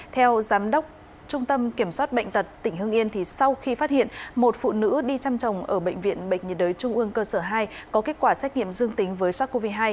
theo giám đốc trung tâm kiểm soát bệnh tật tỉnh hưng yên sau khi phát hiện một phụ nữ đi chăm trồng ở bệnh viện bệnh nhiệt đới trung ương cơ sở hai có kết quả xét nghiệm dương tính với sars cov hai